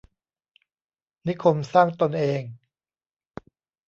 นิคมสร้างตนเอง